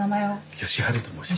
善晴と申します。